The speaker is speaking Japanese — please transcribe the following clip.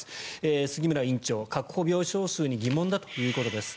杉村院長、確保病床数に疑問だとしています。